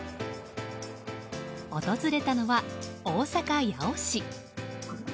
訪れたのは大阪・八尾市。